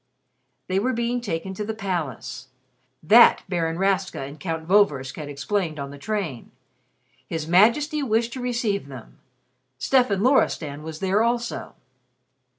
'" They were being taken to the Palace. That Baron Rastka and Count Vorversk had explained in the train. His Majesty wished to receive them. Stefan Loristan was there also.